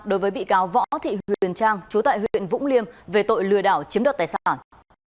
đối với bị cáo võ thị huyền trang chú tại huyện vũng liêm về tội lừa đảo chiếm đoạt tài sản